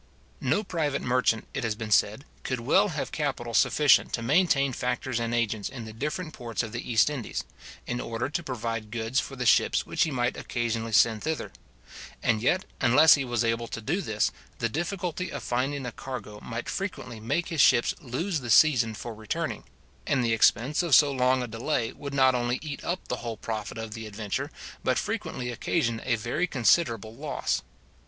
No private merchant, it has been said, could well have capital sufficient to maintain factors and agents in the different ports of the East Indies, in order to provide goods for the ships which he might occasionally send thither; and yet, unless he was able to do this, the difficulty of finding a cargo might frequently make his ships lose the season for returning; and the expense of so long a delay would not only eat up the whole profit of the adventure, but frequently occasion a very considerable loss.